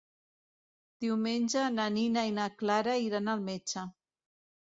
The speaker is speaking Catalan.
Diumenge na Nina i na Clara iran al metge.